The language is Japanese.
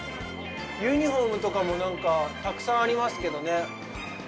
ユニホームとかもたくさんありますけどね。